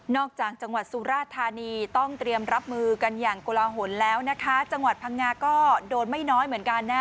จากจังหวัดสุราธานีต้องเตรียมรับมือกันอย่างกลาหลแล้วนะคะจังหวัดพังงาก็โดนไม่น้อยเหมือนกันนะ